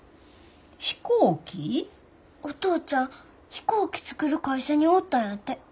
お父ちゃん飛行機作る会社におったんやて。